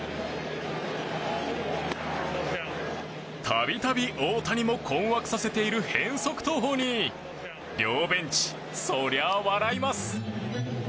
度々、大谷も困惑させている変則投法に両ベンチ、そりゃあ笑います。